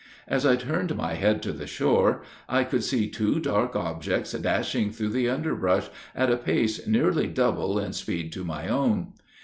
As I turned my head to the shore, I could see two dark objects dashing through the underbrush, at a pace nearly double in speed to my own.